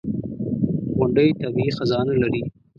• غونډۍ طبیعي خزانه لري.